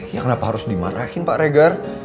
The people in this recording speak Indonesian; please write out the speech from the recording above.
ya kenapa harus dimarahin pak regar